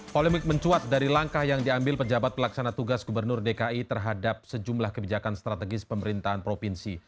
polemik mencuat dari langkah yang diambil pejabat pelaksana tugas gubernur dki terhadap sejumlah kebijakan strategis pemerintahan provinsi